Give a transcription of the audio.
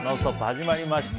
始まりました。